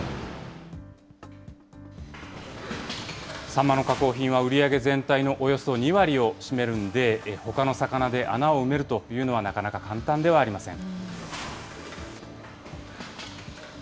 サンマの加工品は売り上げ全体のおよそ２割を占めるんで、ほかの魚で穴を埋めるというのはなかなか簡単ではありません。